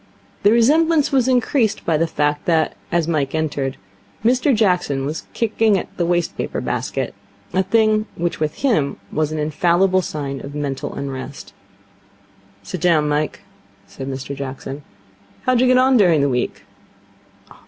The resemblance was increased by the fact that, as Mike entered, Mr Jackson was kicking at the waste paper basket a thing which with him was an infallible sign of mental unrest. 'Sit down, Mike,' said Mr Jackson. 'How did you get on during the week?'